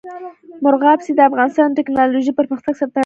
مورغاب سیند د افغانستان د تکنالوژۍ پرمختګ سره تړاو لري.